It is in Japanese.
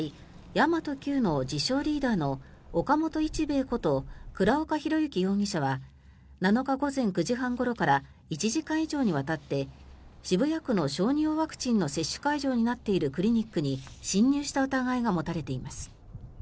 神真都Ｑの自称・リーダーの岡本一兵衛こと倉岡宏行容疑者は７日午前９時半ごろから１時間以上にわたって渋谷区の小児用ワクチンの接種会場になっているクリニックに侵入した疑いが持たれています。